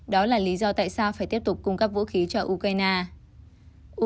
đó là lý do tại sao phải tiếp tục cung cấp vũ khí cho ukraine